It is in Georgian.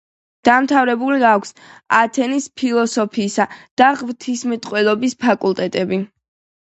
დამთავრებული აქვს ათენის ფილოსოფიისა და ღვთისმეტყველების ფაკულტეტები.